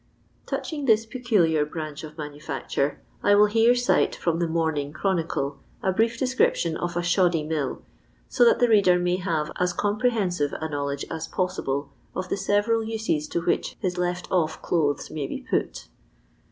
Touching this peculiar branch of manufacture, I will here cite from the Morning Chronki'e a brief description of a Shoddy Mill, so that the reader may have as comprehensive a knowledge as pouible of the several uses to which his left ofT clothes may be put.